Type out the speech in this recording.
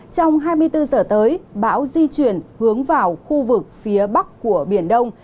trong hai mươi bốn giờ tới bão di chuyển hướng vào khu vực phía bắc của biển đông